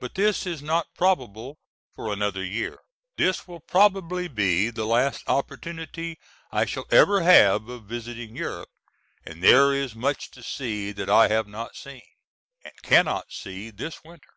But this is not probable for another year. This will probably be the last opportunity I shall ever have of visiting Europe, and there is much to see that I have not seen, and cannot see this winter.